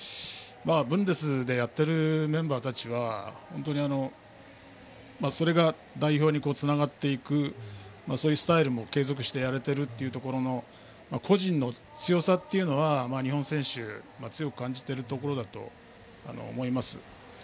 ブンデスでやっているメンバーたちはそれが代表につながっていくそういうスタイルも継続してやれているというところの個人の強さというのは日本選手は強く感じていると思います。